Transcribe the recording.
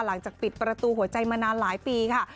หลังจากปิดประตูหัวใจมานานหลายปีค่ะ